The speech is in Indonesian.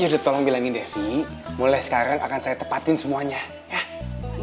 sudah tolong bilangin devi mulai sekarang akan saya tepatin semuanya ya